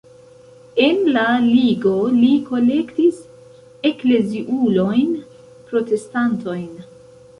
En la ligo li kolektis ekleziulojn-protestantojn.